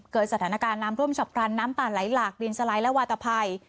เกิดสถานการณ์น้ำท่วมฉับพลันน้ำป่าไหลหลากดินสไลด์และวาตภัย